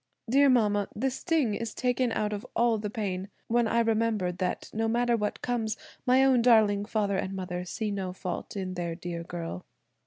"Dear mama, the sting is taken out of all the pain when I remember that no matter what comes my own darling father and mother see no fault in their dear girl."